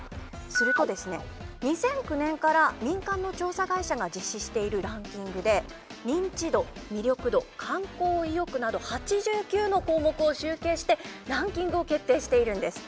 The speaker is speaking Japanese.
するとですね２００９年から民間の調査会社が実施しているランキングで認知度魅力度観光意欲など８９の項目を集計してランキングを決定しているんです。